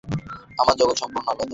আমাদের জগত সম্পূর্ণ আলাদা।